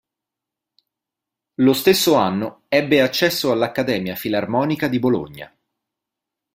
Lo stesso anno ebbe accesso all'Accademia Filarmonica di Bologna.